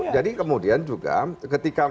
jadi kemudian juga ketika